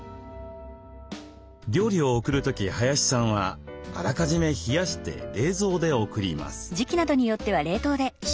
料理を送る時林さんはあらかじめ冷やして冷蔵で送ります。